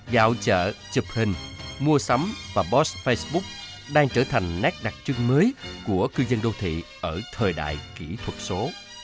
gạo chợ chụp hình mua sắm và bos facebook đang trở thành nét đặc trưng mới của cư dân đô thị ở thời đại kỹ thuật số